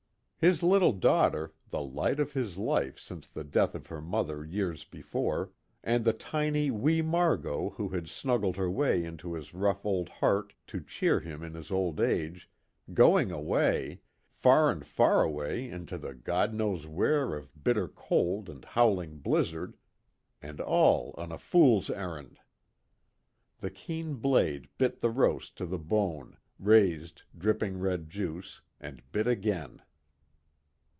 His little daughter, the light of his life since the death of her mother years before and the tiny wee Margot who had snuggled her way into his rough old heart to cheer him in his old age going away far and far away into the God knows where of bitter cold and howling blizzard and all on a fool's errand! The keen blade bit the roast to the bone, raised, dripping red juice, and bit again.